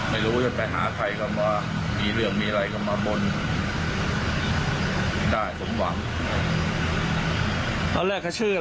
ไม่รู้จะตั้งชื่ออะไรก็จะตั้งชื่อนี้